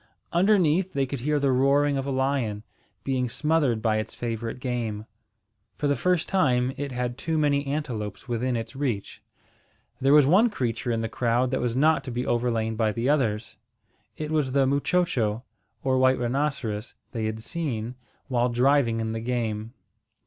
Underneath, they could hear the roaring of a lion, being smothered by its favourite game. For the first time, it had too many antelopes within its reach. There was one creature in the crowd that was not to be overlain by the others. It was the muchocho, or white rhinoceros, they had seen while driving in the game.